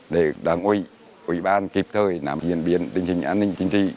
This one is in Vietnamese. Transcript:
để đảng ủy ủy ban kịp thời nắm diễn biến tình hình an ninh chính trị